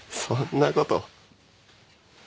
そんなこと